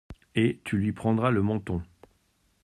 Et tu lui prendras le menton.